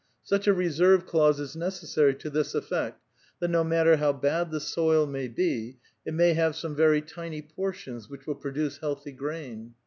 Such a reserve clause is necessarv to this effect, that no matter how bad the soil may be, it may have some very tiny portions wiiich will produce healthy grain.